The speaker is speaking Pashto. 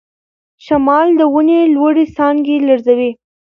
شمال د ونې لوړې څانګې لړزوي.